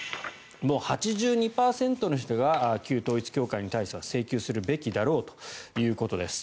もう８２％の人が旧統一教会に対して請求するべきだろうということです。